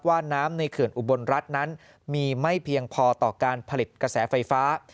น้ำในเขื่อนอุบลรัฐนั้นมีไม่เพียงพอต่อการผลิตกระแสไฟฟ้า